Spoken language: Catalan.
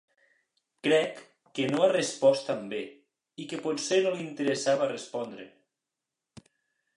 Crec que no ha respost tan bé i que potser no li interessava respondre.